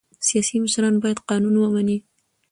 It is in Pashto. سیاسي مشران باید قانون ومني